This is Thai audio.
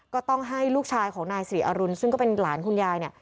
ก็ต้องให้ลูกชายของนายศรีอรุณซึ่งก็เป็นหลานคุณยายเนี่ย